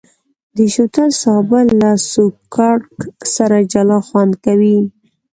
د شوتل سابه له سوکړک سره جلا خوند کوي.